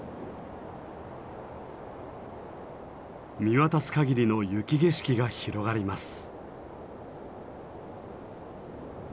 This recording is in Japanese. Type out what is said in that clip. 見渡す限りの雪景色が広がります。